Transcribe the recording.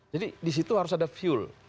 jadi di situ harus ada fuel